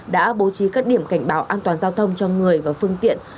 đã bố trí các điểm cảnh báo an toàn giao thông cho người và phương tiện